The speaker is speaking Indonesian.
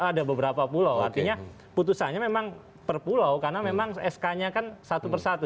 ada beberapa pulau artinya putusannya memang per pulau karena memang sk nya kan satu persatu